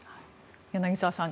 柳澤さん